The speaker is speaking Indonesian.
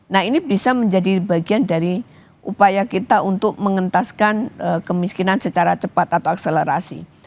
nah ini bisa menjadi bagian dari upaya kita untuk mengentaskan kemiskinan secara cepat atau akselerasi